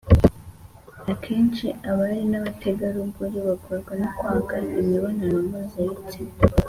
akenshi abari n’abategarugori bagorwa no kwanga imibonano mpuzabitsina.